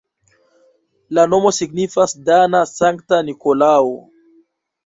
La nomo signifas dana-Sankta Nikolao.